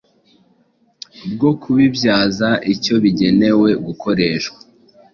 bwo kubibyaza icyo bigenewe gukoreshwa.